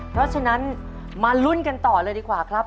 เพราะฉะนั้นมาลุ้นกันต่อเลยดีกว่าครับ